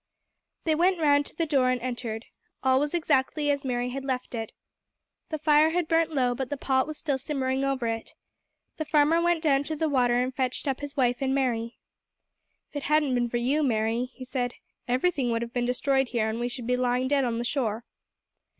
They went round to the door and entered. All was exactly as Mary had left it. The fire had burnt low, but the pot was still simmering over it. The farmer went down to the water and fetched up his wife and Mary. "If it hadn't been for you, Mary," he said, "everything would have been destroyed here, and we should be lying dead on the shore."